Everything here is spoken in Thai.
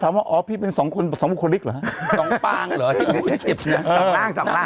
ถามว่าอ๋อพี่เป็นสองคนสองคนลิกเหรอสองปางเหรอสองล่างสองล่าง